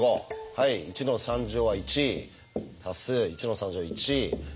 はい１の３乗は１＋１の３乗は１＝２ね。